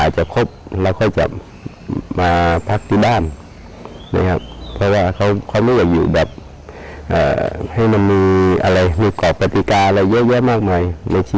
อีกประมาณ๑๐๐กิโลเมตรถึงนี่ตื่นเต้นมากขึ้นกว่าเดินไหมคะ